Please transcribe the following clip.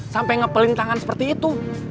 sampai ngepelin tangan seperti itu